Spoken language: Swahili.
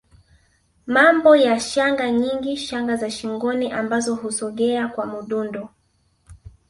Mapambo ya shanga nyingi shanga za shingoni ambazo husogea kwa mdundo